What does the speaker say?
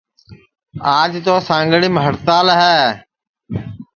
آج توسانگڑیم ہڑتال